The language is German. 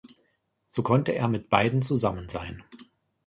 So konnte er mit beiden zusammen sein.